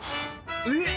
えっ！